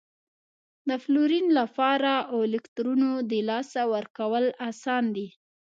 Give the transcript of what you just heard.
د فلورین لپاره اوو الکترونو د لاسه ورکول اسان دي؟